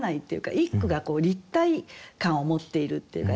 一句が立体感を持っているっていうかね。